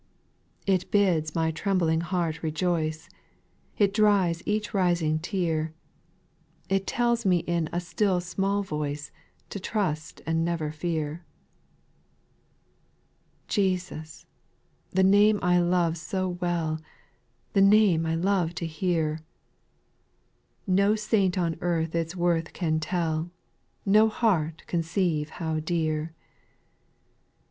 6. It bids my trembling heart rejoice, It dries each rising tear, It tells me in " a still small voice " To trust and never fear. 7. Jesus ! the name I love so well, The name I love to hear I No saint on earth its worth can tell, No heart conceive how dear.